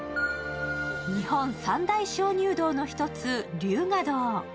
日本三大鍾乳洞の１つ、龍河洞。